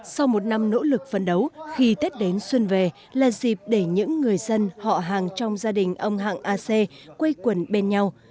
sau một năm nỗ lực phấn đấu khi tết đến xuân về là dịp để những người dân họ hàng trong gia đình ông hạng a c quây quần bên nhau